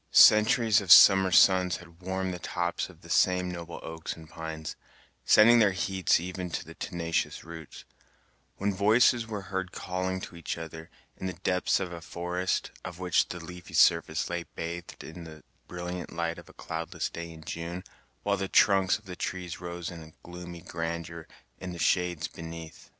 Centuries of summer suns had warmed the tops of the same noble oaks and pines, sending their heats even to the tenacious roots, when voices were heard calling to each other, in the depths of a forest, of which the leafy surface lay bathed in the brilliant light of a cloudless day in June, while the trunks of the trees rose in gloomy grandeur in the shades beneath.